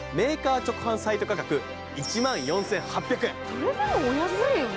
それでもお安いよね。